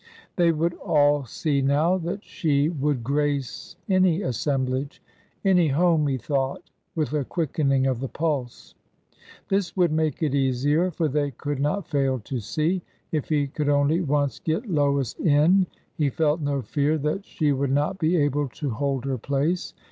They would all see now that she would grace any assemblage— any home, he thought, with a quickening of the pulse. This would make it easier, for they could not fail to see. If he could only once get Lois in, he felt no fear that she would not be able to hold her place.